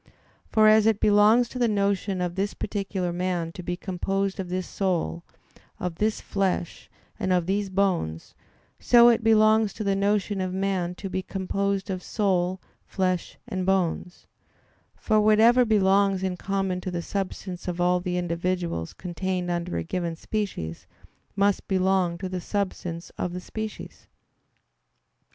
For as it belongs to the notion of this particular man to be composed of this soul, of this flesh, and of these bones; so it belongs to the notion of man to be composed of soul, flesh, and bones; for whatever belongs in common to the substance of all the individuals contained under a given species, must belong to the substance of the species.